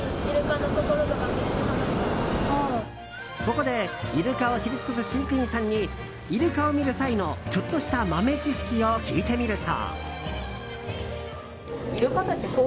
ここでイルカを知り尽くす飼育員さんにイルカを見る際の、ちょっとした豆知識を聞いてみると。